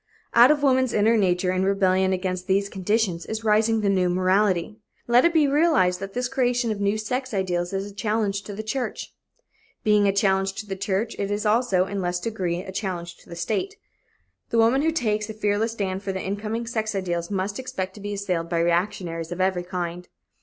Out of woman's inner nature, in rebellion against these conditions, is rising the new morality. Let it be realized that this creation of new sex ideals is a challenge to the church. Being a challenge to the church, it is also, in less degree, a challenge to the state. The woman who takes a fearless stand for the incoming sex ideals must expect to be assailed by reactionaries of every kind.